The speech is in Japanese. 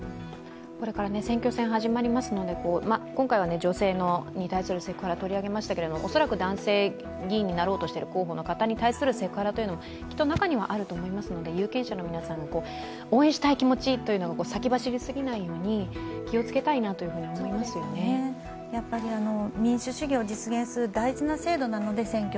これから選挙戦が始まりますので、今回は女性に対するセクハラを取り上げましたけど、恐らく男性議員になろうとしている候補の方に対するセクハラというのはきっと中にはあると思いますので、有権者の皆さんの応援したい気持ちが先走り過ぎないように選挙って民主主義を実現する大事な制度なので。